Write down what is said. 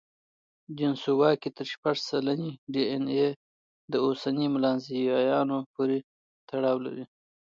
دینسووا کې تر شپږ سلنې ډياېناې د اوسني ملانزیایانو پورې تړاو لري.